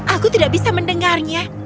aku tidak bisa mendengarnya